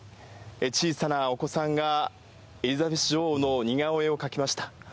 小さなお子さんが、エリザベス女王の似顔絵を描きました。